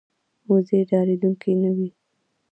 وزې ډارېدونکې نه وي